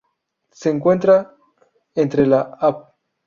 Se encuentra entre la Av.